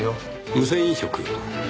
無銭飲食？